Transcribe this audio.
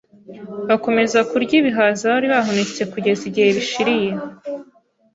Bakomeza kurya ibihaza bari bahunitse kugeza igihe bishiriye